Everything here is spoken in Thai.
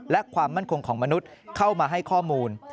และความมั่นคงของมนุษย์เข้ามาให้ข้อมูล